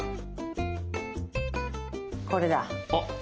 これだ！